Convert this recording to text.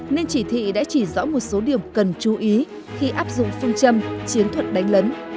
nên chỉ thị đã chỉ rõ một số điểm cần chú ý khi áp dụng phương châm chiến thuật đánh lấn